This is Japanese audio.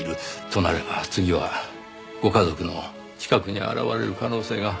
となれば次はご家族の近くに現れる可能性が極めて高い。